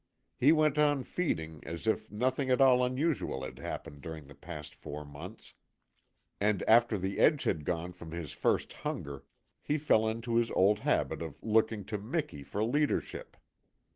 He went on feeding as if nothing at all unusual had happened during the past four months, and after the edge had gone from his first hunger he fell into his old habit of looking to Miki for leadership.